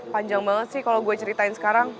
panjang banget sih kalau gue ceritain sekarang